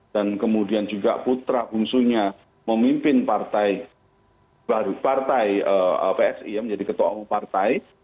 dan kemudian juga putra bungsunya memimpin partai psi yang menjadi ketua partai